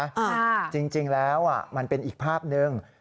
อ่าจริงแล้วอ่ะมันเป็นอีกภาพนึง